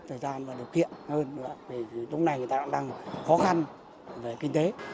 ủy ban nhân dân ngày hôm nay